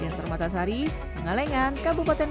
yang termata sari mengalengan